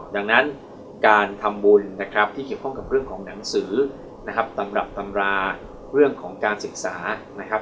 ดังนั้นการทำบุญนะครับที่เกี่ยวข้องกับเรื่องของหนังสือนะครับตำรับตำราเรื่องของการศึกษานะครับ